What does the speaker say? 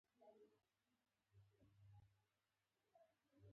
سوال به نه کړې اورېده دي